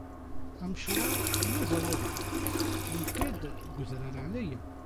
Amecwaṛ luḍa luḍa, nekka-d seg udrar ɛlayen.